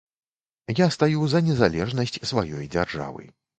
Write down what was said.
Я стаю за незалежнасць сваёй дзяржавы.